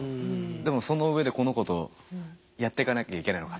でもそのうえでこの子とやってかなきゃいけないのかと。